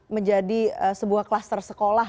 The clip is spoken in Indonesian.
menjadi sebuah klaster sekolah